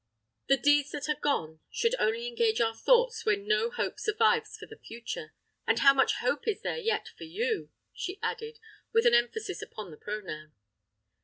"The deeds that are gone should only engage our thoughts when no hope survives for the future. And how much hope is there yet for you!" she added, with an emphasis upon the pronoun.